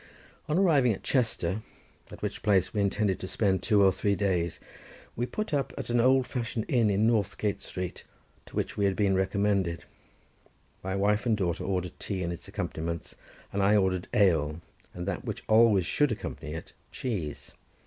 On arriving at Chester, at which place we intended to spend two or three days, we put up at an old fashioned inn in Northgate Street, to which we had been recommended; my wife and daughter ordered tea and its accompaniments; and I ordered ale, and that which always should accompany it, cheese.